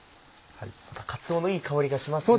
かつおのいい香りがしますね。